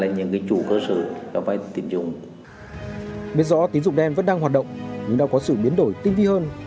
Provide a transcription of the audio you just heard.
nhưng đã có sự biến đổi tinh vi hơn